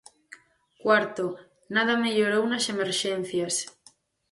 Cuarto, nada mellorou nas emerxencias.